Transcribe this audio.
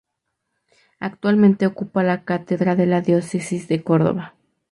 Actualmente ocupa la cátedra de la diócesis de Córdoba.